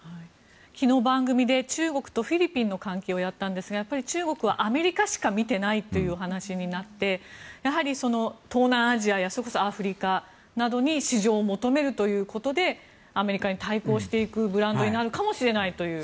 昨日、番組で中国とフィリピンの関係をやったんですがやっぱり中国はアメリカしか見ていないという話になってやはり、東南アジアやそれこそアフリカなどに市場を求めるということでアメリカに対抗していくブランドになるかもしれないという。